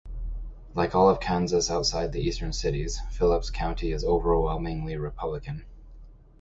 Like all of Kansas outside the eastern cities, Phillips County is overwhelmingly Republican.